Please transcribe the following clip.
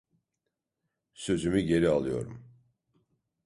Sözümü geri alıyorum.